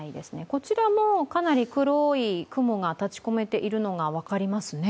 こちらもかなり黒い雲が立ち込めているのが分かりますね。